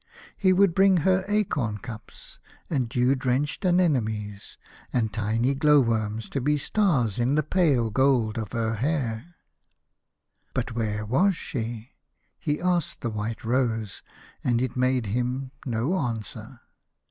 He would bring her acorn cups and dew drenched anemones, and tiny glow worms to be stars in the pale gold of her hair. But where was she ? He asked the white rose, and it made him no answer.